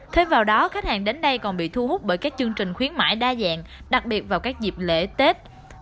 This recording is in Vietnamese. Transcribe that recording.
thêm vào đó khách hàng đến đây còn bị thu hút bởi các chương trình khuyến mại đa dạng đặc biệt vào các dịp lễ tết